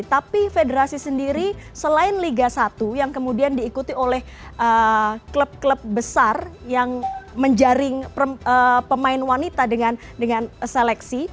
tapi federasi sendiri selain liga satu yang kemudian diikuti oleh klub klub besar yang menjaring pemain wanita dengan seleksi